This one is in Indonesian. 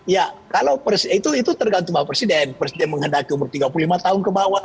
ya kalau persis itu itu tergantung presiden presiden mengandalkan tiga puluh lima tahun kebawah